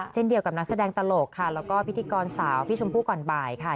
เช่นเดียวกับนักแสดงตลกค่ะแล้วก็พิธีกรสาวพี่ชมพู่ก่อนบ่ายค่ะ